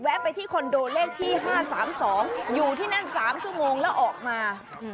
ไปที่คอนโดเลขที่๕๓๒อยู่ที่นั่น๓ชั่วโมงแล้วออกมา